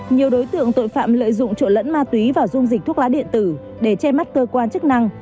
nhiều đối tượng tội phạm lợi dụng chỗ lẫn ma túy và dung dịch thuốc lá điện tử để che mắt cơ quan chức năng